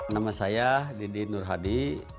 nama saya didin nurhadi